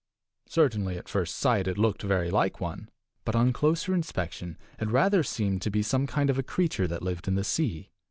Certainly, at first sight, it looked very like one, but on closer inspection it rather seemed to be some kind of a creature that lived in the sea.